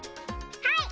はい！